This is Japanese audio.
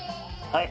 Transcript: はい。